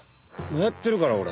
やってるからおれ。